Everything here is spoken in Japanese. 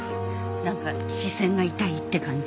何か視線が痛いって感じ。